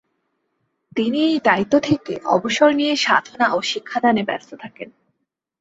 তিনি এই দায়িত্ব থেকে অবসর নিয়ে সাধনা ও শিক্ষাদানে ব্যস্ত থাকেন।